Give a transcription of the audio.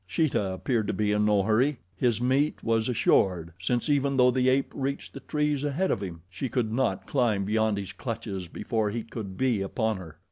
Sheeta appeared to be in no hurry. His meat was assured, since even though the ape reached the trees ahead of him she could not climb beyond his clutches before he could be upon her.